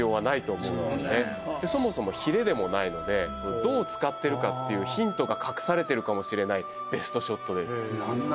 そうだよなそもそもヒレでもないのでどう使ってるかっていうヒントが隠されてるかもしれないベストショットです何なんだろう？